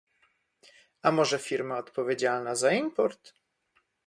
A może firma odpowiedzialna za import?